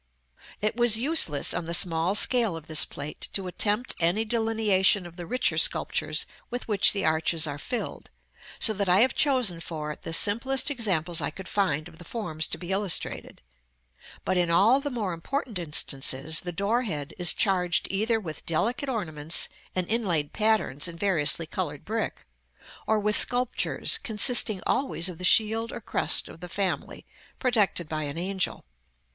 § LV. It was useless, on the small scale of this Plate, to attempt any delineation of the richer sculptures with which the arches are filled; so that I have chosen for it the simplest examples I could find of the forms to be illustrated: but, in all the more important instances, the door head is charged either with delicate ornaments and inlaid patterns in variously colored brick, or with sculptures, consisting always of the shield or crest of the family, protected by an angel.